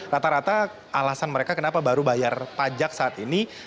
rata rata alasan mereka kenapa baru bayar pajak saat ini